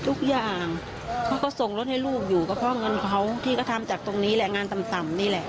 ทุกอย่างเขาก็ส่งรถให้ลูกอยู่ก็เพราะเงินเขาที่ก็ทำจากตรงนี้แหละงานต่ำนี่แหละ